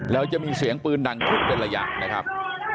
แล้วจะมีเสียงปืนดังขึ้นเป็นระยะนะครับ